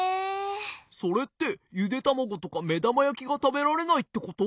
それってゆでたまごとかめだまやきがたべられないってこと？